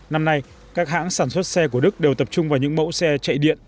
năm nay các hãng sản xuất xe của đức đều tập trung vào những mẫu xe chạy điện